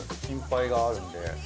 心配があるので。